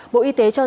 bộ y tế cho rằng